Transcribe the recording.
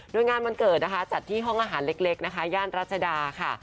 โดยงานวันเกิดนะคะจัดที่ห้องอาหารเล็กนะคะย่านรัชดาค่ะ